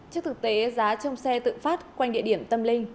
trước thực tế giá trong xe tự phát quanh địa điểm tâm linh